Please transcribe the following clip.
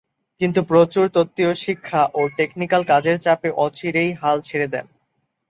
কিন্তু প্রচুর তত্ত্বীয় শিক্ষা ও টেকনিকাল কাজের চাপে অচিরেই হাল ছেড়ে দেন।